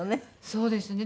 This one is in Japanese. そうですね。